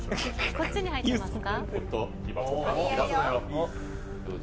こっちに入ってますか？